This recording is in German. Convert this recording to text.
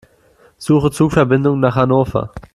Suche Zugverbindungen nach Hannover.